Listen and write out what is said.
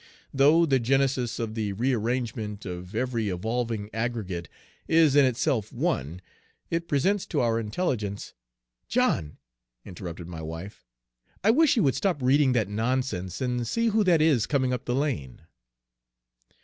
Though the genesis of the rearrangement of every evolving aggregate is in itself one, it presents to our intelligence' " "John," interrupted my wife, "I wish you would stop reading that nonsense and see who that is coming up the lane."